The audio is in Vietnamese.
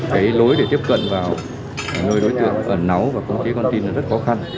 cái lối để tiếp cận vào nơi đối tượng ẩn náu và khống chế con tin là rất khó khăn